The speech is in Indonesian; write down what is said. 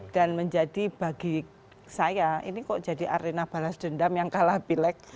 dan menjadi bagi saya ini kok jadi arena balas dendam yang kalah pilek